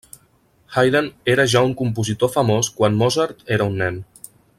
Haydn era ja un compositor famós quan Mozart era un nen.